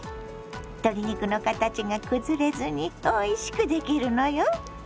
鶏肉の形が崩れずにおいしくできるのよ。